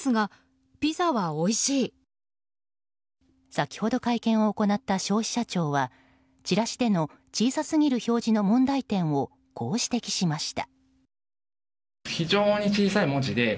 先ほど会見を行った消費者庁はチラシでの小さすぎる表示の問題点をこう指摘しました。